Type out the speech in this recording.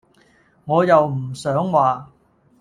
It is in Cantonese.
我又唔想話